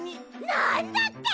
なんだって！？